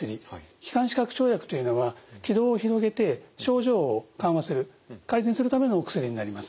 気管支拡張薬というのは気道を広げて症状を緩和する改善するためのお薬になります。